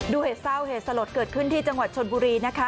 เหตุเศร้าเหตุสลดเกิดขึ้นที่จังหวัดชนบุรีนะคะ